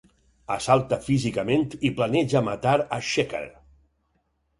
Assalta físicament i planeja matar a Shekar.